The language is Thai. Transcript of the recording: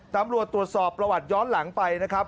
ตำรวจตรวจสอบประวัติย้อนหลังไปนะครับ